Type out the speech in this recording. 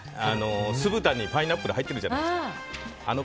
酢豚にパイナップル入ってるじゃないですか。